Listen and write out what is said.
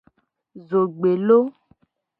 Zogbelo.